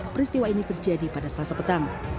peristiwa ini terjadi pada selasa petang